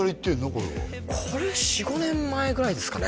これはこれ４５年前ぐらいですかね